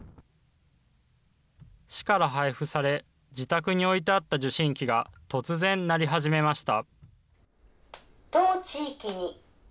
市から配布され、自宅に置いてあった受信機が突然鳴り始めました。